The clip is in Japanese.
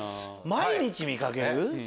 毎日見かける？